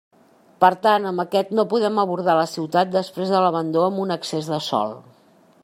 Per tant, amb aquest no podem abordar la ciutat després de l'abandó amb un excés de sòl.